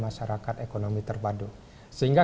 akar ekonomi terpadu sehingga